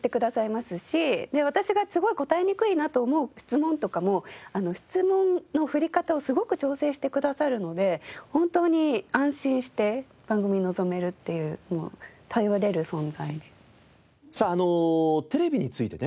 私がすごい答えにくいなと思う質問とかも質問の振り方をすごく調整してくださるので本当に安心して番組に臨めるっていう頼れる存在で。さあテレビについてね